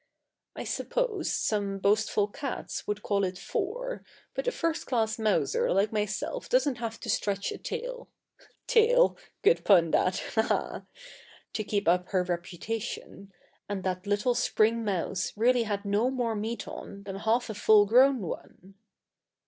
I suppose some boastful cats would call it four, but a first class mouser like myself doesn't have to stretch a tale (Tail! Good pun, that Ha! Ha!) to keep up her reputation, and that little Spring mouse really had no more meat on than half a full grown one.